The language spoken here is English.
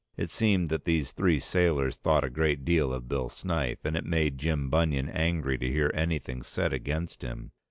It seemed that these three sailors thought a great deal of Bill Snyth and it made Jim Bunion angry to hear anything said against him.